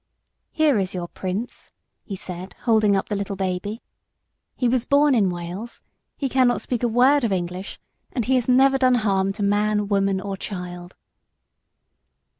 "Here is your Prince," he said, holding up the little baby. "He was born in Wales, he cannot speak a word of English, and he has never done harm to man, woman or child."